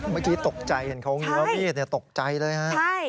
เมื่อกี้ตกใจเห็นเขาอยู่ว่ามีดเนี่ยตกใจเลยฮะใช่ใช่